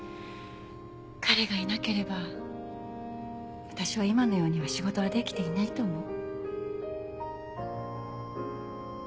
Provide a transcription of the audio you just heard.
彼がいなければ私は今のようには仕事はできていないと思う。